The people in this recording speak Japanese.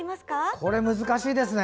これ、難しいですね。